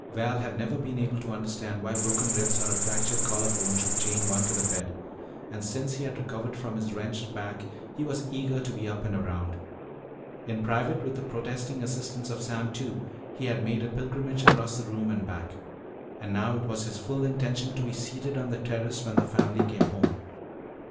Val had never been able to understand why broken ribs or a fractured collar bone should chain one to the bed. And since he had recovered from his wrenched back he was eager to be up and around. In private, with the protesting assistance of Sam Two, he had made a pilgrimage across the room and back. And now it was his full intention to be seated on the terrace when the family came home.